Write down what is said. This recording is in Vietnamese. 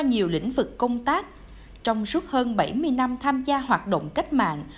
nhiều lĩnh vực công tác trong suốt hơn bảy mươi năm tham gia hoạt động cách mạng